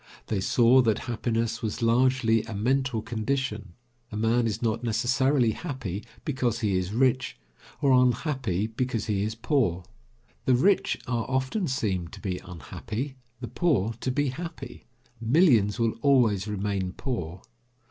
They saw that happiness was largely a mental condition. A man is not necessarily happy because he is rich, or unhappy because he is poor. The rich are often seem to be unhappy, the poor to be happy. Millions will always remain poor.